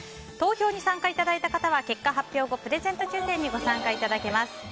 投票に参加いただいた方は結果発表後プレゼント抽選にご応募いただけます。